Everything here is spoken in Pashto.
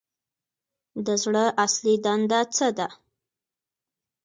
د زړه اصلي دنده څه ده